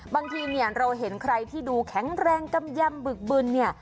บางทีเราเห็นใครที่ดูแข็งแรงกำแย่มบึกบึน